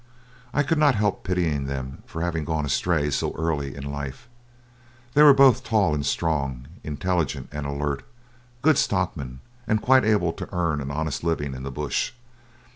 I could not help pitying them for having gone astray so early in life. They were both tall and strong, intelligent and alert, good stockmen, and quite able to earn an honest living in the bush.